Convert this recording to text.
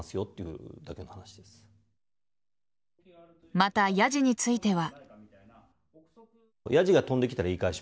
また、やじについては。